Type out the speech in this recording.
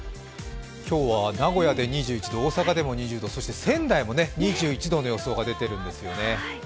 今日は名古屋で２１度、大阪でも２０度、そして仙台も２１度の予想が出てるんですよね。